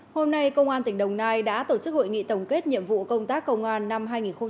hôm nay công an tỉnh đồng nai đã tổ chức hội nghị tổng kết nhiệm vụ công tác công an năm hai nghìn hai mươi ba